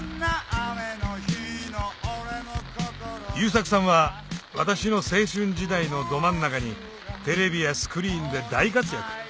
優作さんは私の青春時代のど真ん中にテレビやスクリーンで大活躍